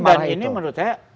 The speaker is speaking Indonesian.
dan ini menurut saya